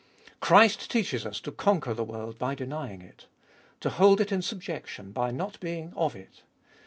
Christ teaches us to conquer the world by denying it; to hold it in subjection by not being of it.